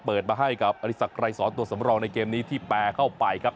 เปิดมาให้กับอริสักไรสอนตัวสำรองในเกมนี้ที่แปลเข้าไปครับ